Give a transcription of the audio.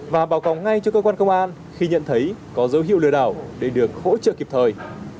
và báo cáo ngay cho cơ quan công an khi nhận thấy có dấu hiệu lừa đảo để được hỗ trợ kịp thời